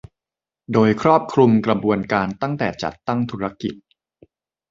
โดยครอบคลุมกระบวนการตั้งแต่จัดตั้งธุรกิจ